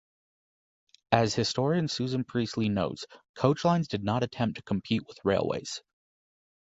As Historian Susan Priestley notes, Coach lines did not attempt to compete with... railways.